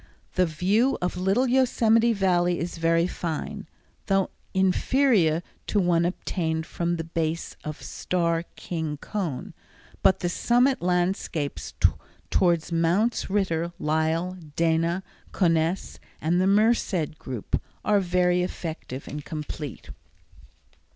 The view of Little Yosemite Valley is very fine, though inferior to one obtained from the base of the Starr King Cone, but the summit landscapes towards Mounts Ritter, Lyell, Dana, Conness, and the Merced Group, are very effective and complete.